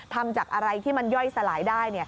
ทำจากอะไรที่มันย่อยสลายได้